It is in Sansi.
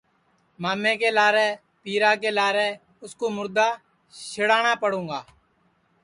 مامے کے لارے پیرا کے لارے اُس کوُ مُردا سِڑاٹؔا پڑوںگا